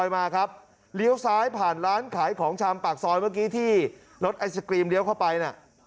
มาครับเลี้ยวซ้ายผ่านร้านขายของชำปากซอยเมื่อกี้ที่รถไอศกรีมเลี้ยวเข้าไปน่ะ